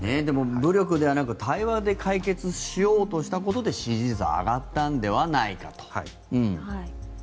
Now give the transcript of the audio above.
でも、武力ではなく対話で解決しようとしたことで支持率が上がったのではないかと。